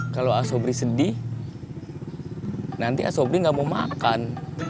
kalau asobri sedih nanti asobri nggak mau makan